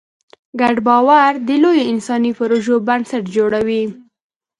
ګډ باور د لویو انساني پروژو بنسټ جوړوي.